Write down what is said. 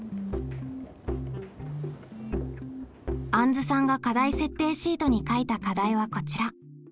あんずさんが課題設定シートに書いた課題はこちら。